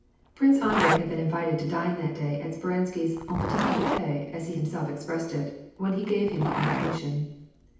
Prince Andrei had been invited to dine that day at Sper ansky's, " en petit eomite,'^ as he himself expressed it, when he gave him the invitation.